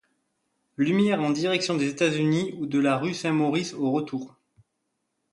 Lumière en direction des États-Unis ou la rue Saint-Maurice au retour.